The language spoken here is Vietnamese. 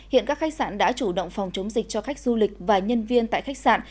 hiện các khách sạn đã chủ động phòng chống dịch cho khách du lịch và nhân viên tại khách sạn